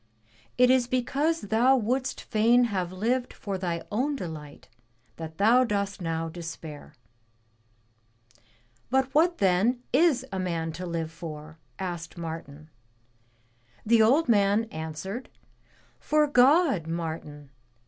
It is because thou wouldst fain have lived for thy own delight that thou dost now despair.'* But what then is a man to live for?" asked Martin. The old man answered, *Tor God, Martin!